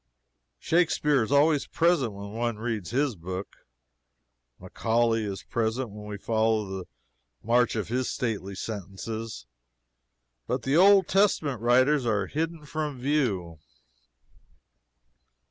Shakspeare is always present when one reads his book; Macaulay is present when we follow the march of his stately sentences; but the Old Testament writers are hidden from view.